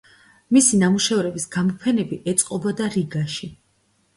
მისი ნამუშევრების გამოფენები ეწყობოდა რიგაში.